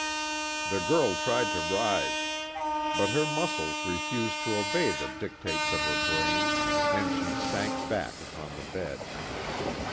The girl tried to rise, but her muscles refused to obey the dictates of her brain, and she sank back upon the bed.